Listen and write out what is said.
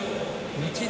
日大